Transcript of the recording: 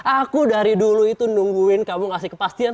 aku dari dulu itu nungguin kamu ngasih kepastian